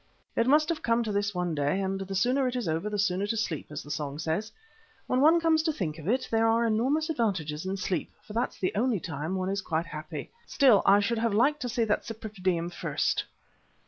It must have come to this one day, and the sooner it is over the sooner to sleep, as the song says. When one comes to think of it there are enormous advantages in sleep, for that's the only time one is quite happy. Still, I should have liked to see that Cypripedium first."